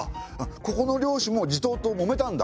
ここの領主も地頭ともめたんだ。